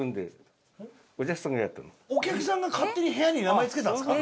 お客さんが勝手に部屋に名前付けたんですか？